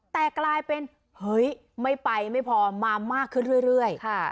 แต่กลายเป็นเฮ้ยไม่ไปไม่พอมามากขึ้นเรื่อย